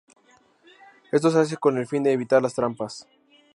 Esto se hace con el fin de evitar las trampas.